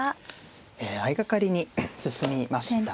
え相掛かりに進みましたね。